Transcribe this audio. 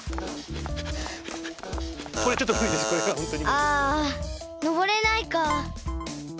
あのぼれないか。